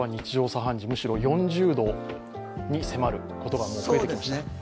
茶飯事、むしろ４０度に迫ることが増えてきました。